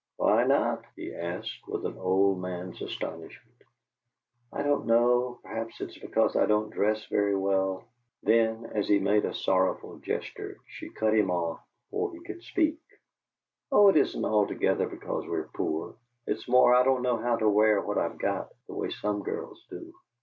"Why not?" he asked, with an old man's astonishment. "I don't know. Perhaps it's because I don't dress very well." Then, as he made a sorrowful gesture, she cut him off before he could speak. "Oh, it isn't altogether because we're poor; it's more I don't know how to wear what I've got, the way some girls do.